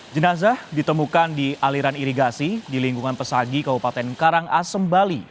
jenazah ditemukan di aliran irigasi di lingkungan pesagi kabupaten karangasem bali